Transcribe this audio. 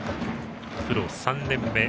プロ３年目。